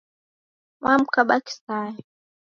Wamkaba kisaya